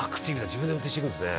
自分で運転して行くんですね」